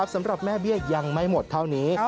สำหรับแม่เบี้ยยังไม่หมดเท่านี้